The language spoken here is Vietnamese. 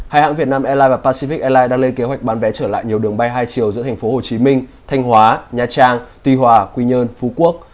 hai hãng việt nam airline và pacific airline đang lên kế hoạch bán vé trở lại nhiều đường bay hai chiều giữa thành phố hồ chí minh thanh hóa nha trang tuy hòa quy nhơn phú quốc